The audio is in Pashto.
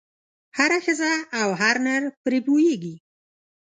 هره ښځه او هر نر پرې پوهېږي.